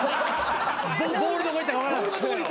ボールどこ行ったか分からない。